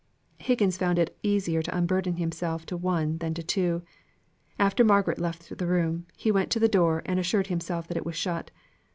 Higgins found it easier to unburden himself to one than to two. After Margaret left the room, he went to the door and assured himself that it was shut.